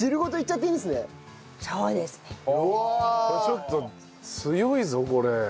ちょっと強いぞこれ。